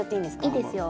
いいですよ